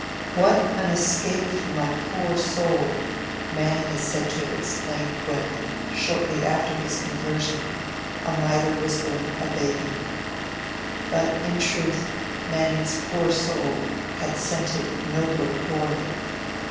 'What an escape for my poor soul!' Manning is said to have exclaimed when, shortly after his conversion, a mitre was going a begging. But, in truth, Manning's 'poor soul' had scented nobler quarry.